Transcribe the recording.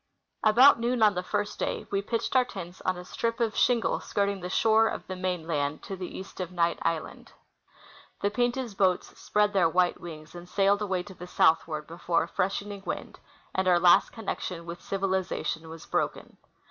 About noon on the first day we pitched our tents on a strip of shingle skirting the shore of the mainland to the east of Knight island. The Pin, ta\s boats spread their white wings and sailed away to the southward before a freshening wind, and our last connection with civilization was broken.